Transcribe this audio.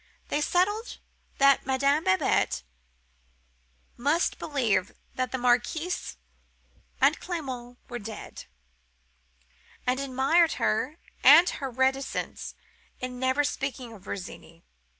They settled that Madame Babette must believe that the Marquise and Clement were dead; and admired her for her reticence in never speaking of Virginie.